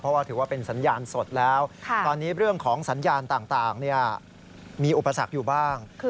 เพราะว่าถือว่าเป็นสัญญาณสดแล้วตอนนี้เรื่องของสัญญาณต่างมีอุปสรรคอยู่บ้าง